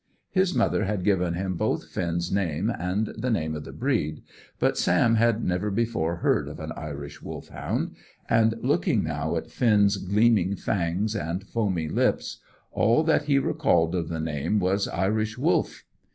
His mother had given him both Finn's name and the name of the breed, but Sam had never before heard of an Irish Wolfhound, and, looking now at Finn's gleaming fangs and foamy lips, all that he recalled of the name was "Irish Wolf."